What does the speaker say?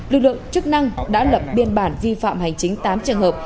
lực lượng chức năng đã lập biên bản vi phạm hành chính tám trường hợp